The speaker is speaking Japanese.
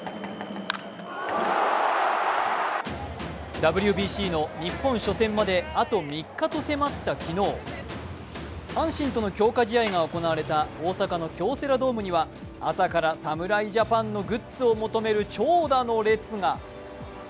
ＷＢＣの日本初戦まであと３日と迫った昨日、阪神との強化試合が行われた大阪の京セラドームには朝から侍ジャパンのグッズを求める長蛇の列が。